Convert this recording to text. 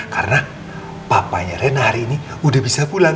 karena papanya rena hari ini udah bisa pulang